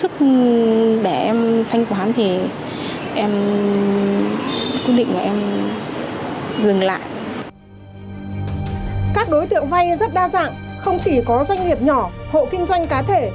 các đối tượng vay rất đa dạng không chỉ có doanh nghiệp nhỏ hộ kinh doanh cá thể